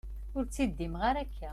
Ur ttiddimeɣ ara akka.